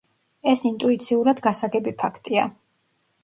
ეს ინტუიციურად გასაგები ფაქტია.